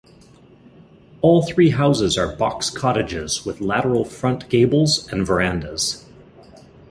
All three houses are box cottages, with lateral front gables and verandahs.